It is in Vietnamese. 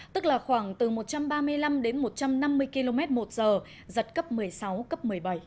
tức là khoảng từ một trăm ba mươi năm đến một trăm năm mươi km một giờ giật cấp một mươi sáu cấp một mươi bảy